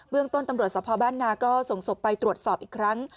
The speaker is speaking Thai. เรื่องต้นตำรวจสภบ้านนาก็ส่งศพไปตรวจสอบอีกครั้ง